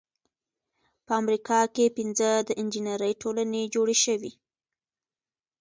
په امریکا کې پنځه د انجینری ټولنې جوړې شوې.